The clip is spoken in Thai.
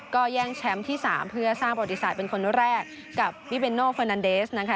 ก็แย่งแชมป์ที่๓เพื่อสร้างประวัติศาสตร์เป็นคนแรกกับวิเบโนเฟอร์นันเดสนะคะ